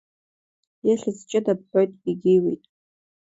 Ихьӡ ҷыда бҳәоит, егьиуеит!